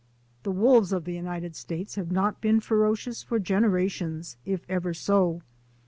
The wolves of the United States have not been ferocious for generations, if ever so.